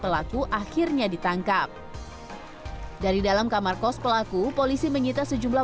pelaku akhirnya ditangkap dari dalam kamar kos pelaku polisi menyita sejumlah